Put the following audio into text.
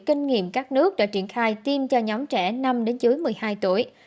kinh nghiệm các nước đã triển khai tiêm cho nhóm trẻ năm dưới một mươi hai tuổi